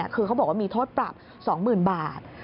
คือเขาบอกว่ามีโทษปรับ๒๐๐๐บาท